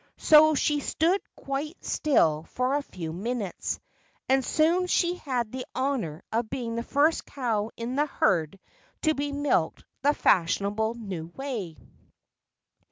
So she stood quite still for a few minutes. And soon she had the honor of being the first cow in the herd to be milked the fashionable new way.